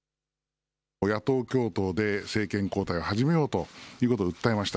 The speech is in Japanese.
野党共闘で政権交代始めようということで訴えました。